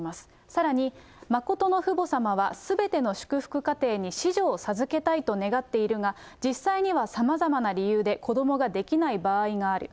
さらに、真の父母様はすべての祝福家庭に子女を授けたいと願っているが、実際にはさまざまな理由で子どもができない場合がある。